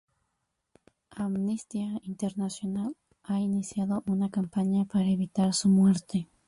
Amnistía Internacional ha iniciado una campaña para evitar su muerte.